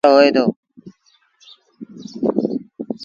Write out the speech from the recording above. ٻڪريٚ رو کير با جآم تآݩڪت وآرو هوئي دو۔